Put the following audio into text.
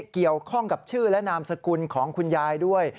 เกี่ยวข้องกับชื่อและนามสกุลของคุณยายด้วย